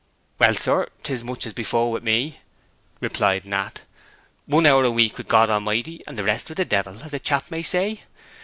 'Well, sir, 'tis much as before wi' me,' replied Nat. 'One hour a week wi' God A'mighty and the rest with the devil, as a chap may say.